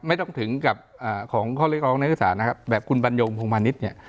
ไม่ต้องถึงกับของข้อเรียกร้องนักศึกษานะครับแบบคุณบรรยงพวงมาณิชย์เนี่ย